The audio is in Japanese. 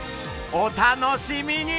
お楽しみに！